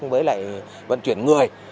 với vận chuyển người